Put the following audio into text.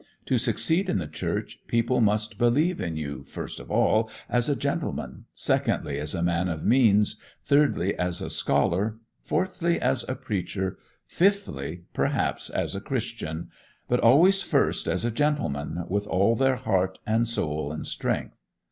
To succeed in the Church, people must believe in you, first of all, as a gentleman, secondly as a man of means, thirdly as a scholar, fourthly as a preacher, fifthly, perhaps, as a Christian,—but always first as a gentleman, with all their heart and soul and strength.